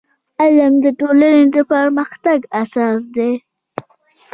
• علم د ټولنې د پرمختګ اساس دی.